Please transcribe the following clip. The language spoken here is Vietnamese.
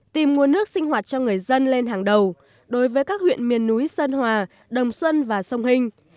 tìm nguồn nước sinh hoạt cho người dân lên hàng đầu đối với các huyện miền núi sơn hòa đồng xuân và sông hình